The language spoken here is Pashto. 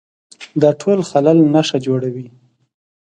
دا ټول خلل نښه جوړوي